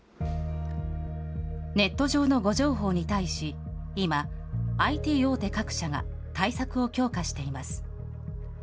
ネット上の誤情報に対し、今、ＩＴ大手各社が対策を強化しています。